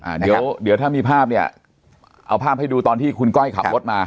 อ่าเดี๋ยวเดี๋ยวถ้ามีภาพเนี่ยเอาภาพให้ดูตอนที่คุณก้อยขับรถมา